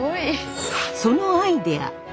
そのアイデア。